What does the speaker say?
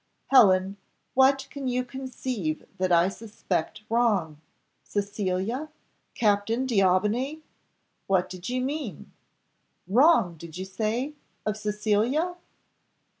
"Helen, what can you conceive that I suspect wrong? Cecilia? Captain D'Aubigny? What did you mean? Wrong did you say? of Cecilia?